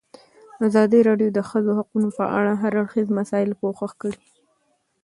ازادي راډیو د د ښځو حقونه په اړه د هر اړخیزو مسایلو پوښښ کړی.